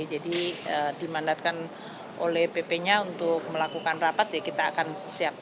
jadi dimandatkan oleh ppnya untuk melakukan rapat kita akan siap